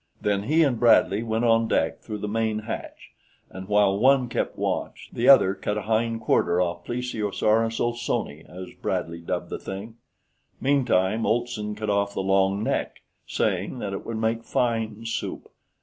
Then the two men went on deck through the main hatch, and while one kept watch, the other cut a hind quarter off Plesiosaurus Olsoni, as Bradley dubbed the thing. Meantime Olson cut off the long neck, saying that it would make fine soup.